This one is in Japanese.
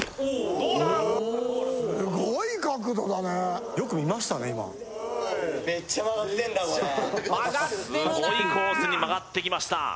すごい角度だねすごいコースに曲がってきました